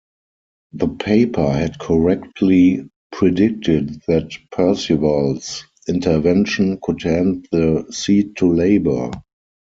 The paper had correctly predicted that Percival's intervention could hand the seat to Labour.